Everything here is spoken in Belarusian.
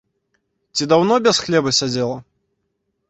Ці даўно без хлеба сядзела?